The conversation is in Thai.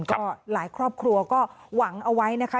ก็หลายครอบครัวก็หวังเอาไว้นะคะ